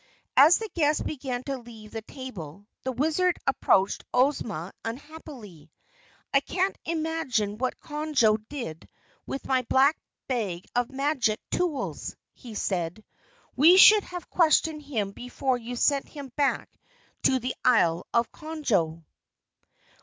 As the guests began to leave the table, the Wizard approached Ozma unhappily. "I can't imagine what Conjo did with my Black Bag of Magic Tools," he said. "We should have questioned him before you sent him back to the Isle of Conjo."